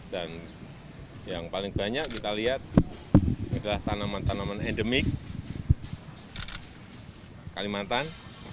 dan yang paling banyak kita lihat adalah tanaman tanaman endemik kalimantan